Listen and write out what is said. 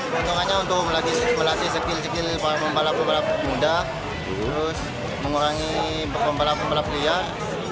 contohnya untuk melatih skill skill para pembalap muda terus mengurangi pembalap pembalap liar